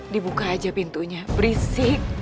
dibuka aja pintunya berisik